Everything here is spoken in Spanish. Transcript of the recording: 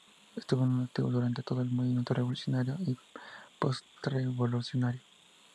Estuvo en activo durante todo el movimiento Revolucionario y Postrevolucionario.